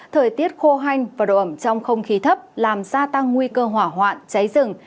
thời tiết khô hanh và độ ẩm trong không khí thấp làm gia tăng nguy cơ hỏa hoạn cháy rừng